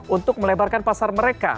untuk melebarkan pasar mereka